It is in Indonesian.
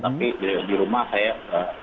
tapi di rumah saya